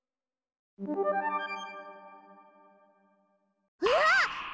うわっ！